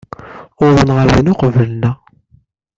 Uwḍen ɣer din uqbel-nneɣ.